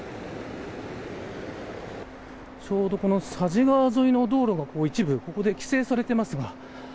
ちょうど佐治川沿いの道路が一部規制されています。